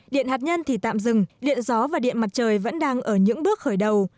điện hạt nhân thì tạm dừng điện gió và điện mặt trời vẫn đang ở những bước khởi đầu